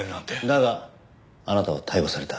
だがあなたは逮捕された。